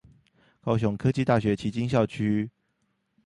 高雄科技大學旗津校區